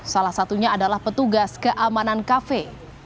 salah satunya adalah petugas keamanan kafe